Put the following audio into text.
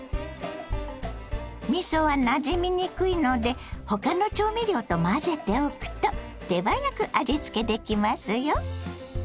みそはなじみにくいので他の調味料と混ぜておくと手早く味付けできますよ。